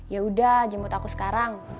yaudah jemput aku sekarang